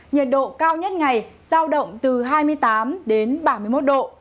nhiệt độ cao nhất ngày giao động từ hai mươi tám đến ba mươi một độ